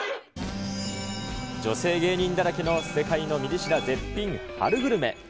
女性芸人だらけの世界のミリ知ら絶品春グルメ。